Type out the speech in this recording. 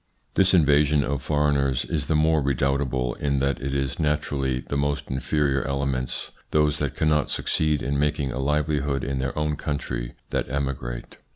This invasion of foreigners is the more redoubtable, in that it is naturally the most inferior elements, those that cannot succeed in making a livelihood in their own country, that emigrate.